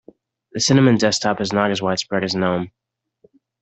The cinnamon desktop is not as widespread as gnome.